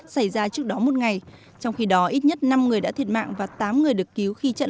xảy ra trước đó một ngày trong khi đó ít nhất năm người đã thiệt mạng và tám người được cứu khi trận